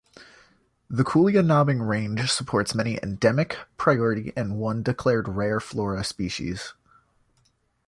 The Koolyanobbing Range supports many endemic, priority and one declared rare flora species.